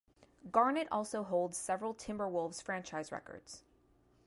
Garnett also holds several Timberwolves franchise records.